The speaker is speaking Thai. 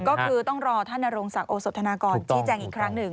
ก็คือต้องรอท่านนโรงศักดิ์โอสธนากรชี้แจงอีกครั้งหนึ่ง